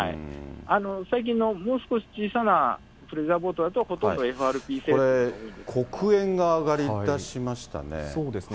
最近のもう少し小さなプレジャーボートだとほとんどＦＲＰだと思これ、黒煙が上がりだしましそうですね。